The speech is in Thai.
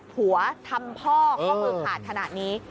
ผัวทำพ่อข้อมือขาดขนาดนี้